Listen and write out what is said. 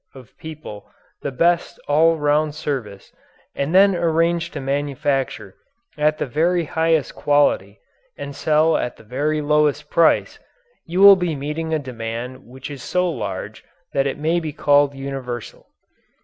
of people the best all round service and then arrange to manufacture at the very highest quality and sell at the very lowest price, you will be meeting a demand which is so large that it may be called universal.